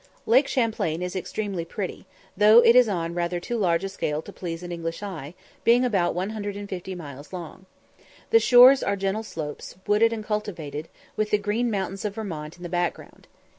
Lake Champlain is extremely pretty, though it is on rather too large a scale to please an English eye, being about 150 miles long. The shores are gentle slopes, wooded and cultivated, with the Green Mountains of Vermont in the background.